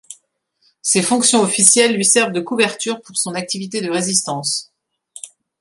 Ces fonctions officielles lui servent de couverture pour son activité de Résistance.